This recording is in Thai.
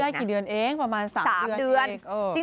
ครบได้กี่เดือนเองประมาณ๓เดือนเอง